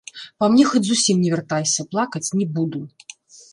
Па мне хоць зусім не вяртайся, плакаць не буду.